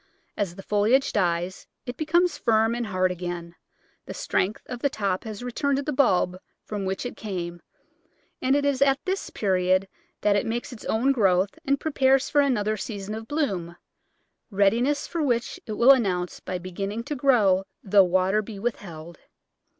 As the foliage dies it becomes firm and hard again, the strength of the top has returned to the bulb from which it came, and it is at this period that it makes its own growth and prepares for another season of bloom, readiness for which it will announce by beginning to grow though water be withheld.